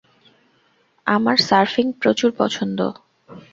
আমার সার্ফিং প্রচুর পছন্দ!